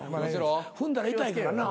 踏んだら痛いからな。